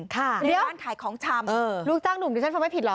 ในบ้านขายของชำลูกจ้างหนุ่มดิฉันพอไม่ผิดเหรอ